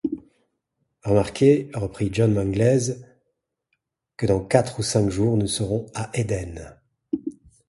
Remarquez, reprit John Mangles, que dans quatre ou cinq jours nous serons à Éden.